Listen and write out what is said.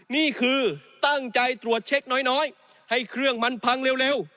นี่คือตั้งใจตรวจเช็คน้อยให้เครื่องมันพังเร็ว